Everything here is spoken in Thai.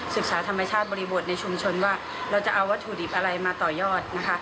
ศึกษาธรรมชาติบริบทในชุมชนว่าเราจะเอาวัตถุดิบอะไรมาต่อยอดนะคะ